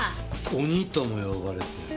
「鬼」とも呼ばれたよ。